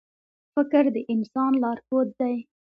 • فکر د انسان لارښود دی.